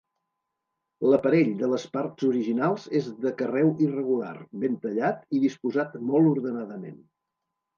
L'aparell de les parts originals és de carreu irregular, ben tallat i disposat molt ordenament.